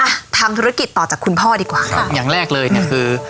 อ่ะทำธุรกิจต่อจากคุณพ่อดีกว่าค่ะอย่างแรกเลยเนี้ยคือ